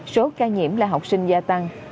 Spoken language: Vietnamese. số ca nhiễm là học sinh gia tăng